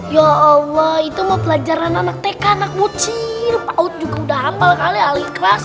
ya allah itu mah pelajaran anak tk anak buciir pak ut juga udah hafal kali ya al ikhlas